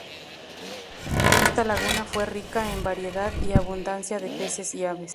Esta laguna fue rica en variedad y abundancia de peces y aves.